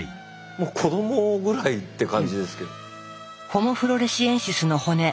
ホモ・フロレシエンシスの骨